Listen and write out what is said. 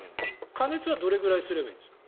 加熱はどれくらいすればいいんですか？